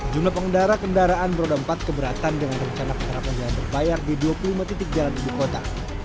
jumlah pengendara kendaraan roda empat keberatan dengan rencana penerapan jalan berbayar di dua puluh lima titik jalan ibu kota